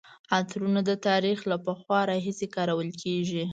عطرونه د تاریخ له پخوا راهیسې کارول کیږي.